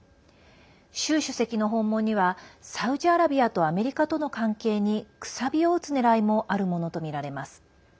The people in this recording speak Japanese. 習主席の訪問にはサウジアラビアとアメリカとの関係にくさびを打つ狙いもあるものとみられます。